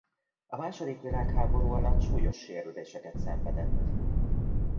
A második világháború alatt súlyos sérüléseket szenvedett.